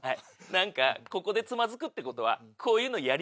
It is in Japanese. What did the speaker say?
何かここでつまずくってことはこういうのやり